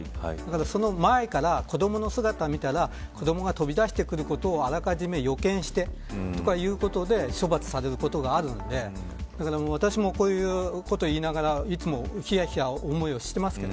その前から、子どもの姿を見たら子どもが飛び出してくることをあらかじめ予見してということで処罰されることがあるので私もこういうことを言いながらいつもひやひやしています。